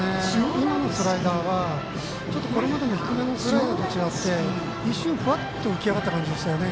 今のスライダーはちょっと、これまでの低めのスライダーと違って一瞬ふわっと浮き上がった感じでしたよね。